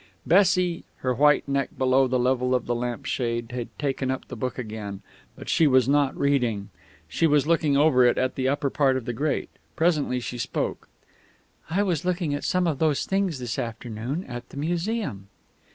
Bessie, her white neck below the level of the lamp shade, had taken up the book again; but she was not reading. She was looking over it at the upper part of the grate. Presently she spoke. "I was looking at some of those things this afternoon, at the Museum."